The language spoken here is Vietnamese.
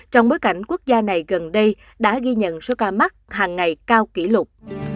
trong bối cảnh quốc gia này gần đây đã ghi nhận số ca mắc hàng ngày cao kỷ lục